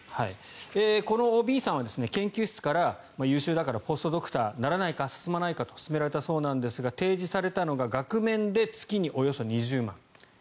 このＢさんは研究室から優秀だからポストドクターにならないかと勧められたそうなんですが提示されたのが額面で月におよそ２０万。